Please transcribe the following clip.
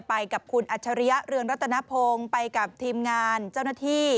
ไปกับคุณอัจฉริยะเรืองรัตนพงศ์ไปกับทีมงานเจ้าหน้าที่